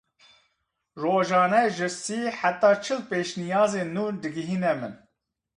Rojane ji sî heta çil pêşniyazên nû digihine min.